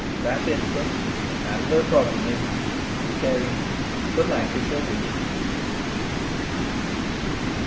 That infant and her progeny became the LANCASHIRE WITCHES.